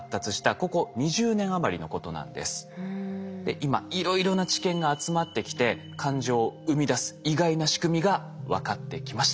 今いろいろな知見が集まってきて感情を生み出す意外な仕組みが分かってきました。